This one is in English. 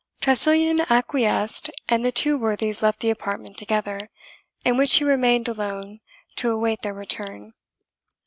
Tressilian acquiesced, and the two worthies left the apartment together, in which he remained alone to await their return.